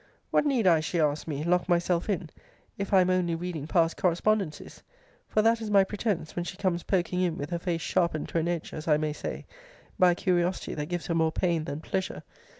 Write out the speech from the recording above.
What need I (she asks me,) lock myself in, if I am only reading past correspondencies? For that is my pretence, when she comes poking in with her face sharpened to an edge, as I may say, by a curiosity that gives her more pain than pleasure.